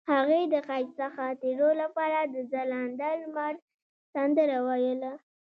هغې د ښایسته خاطرو لپاره د ځلانده لمر سندره ویله.